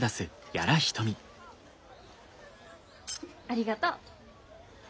ありがとう。